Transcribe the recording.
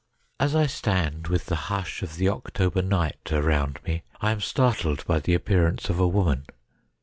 As I stand with the hush of the October night around me, I am startled by the appearance of a woman.